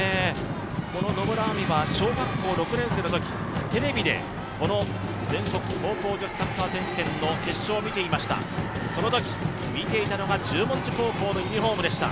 野村亜未は小学校６年生のときテレビでこの全国高校女子サッカー選手権の決勝を見ていましたそのとき見ていたのが十文字高校のユニフォームでした。